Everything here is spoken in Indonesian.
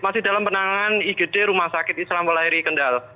masih dalam penanganan igd rumah sakit islam bolaeri kendal